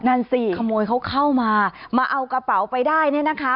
นั่นสิขโมยเขาเข้ามามาเอากระเป๋าไปได้เนี่ยนะคะ